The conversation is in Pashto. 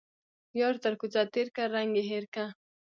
يار تر کوڅه تيرکه ، رنگ يې هير که.